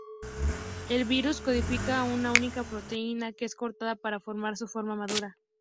El virus codifica una única proteína que es cortada para formar su forma madura.